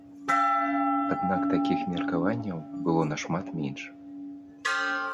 Аднак такіх меркаванняў было нашмат менш.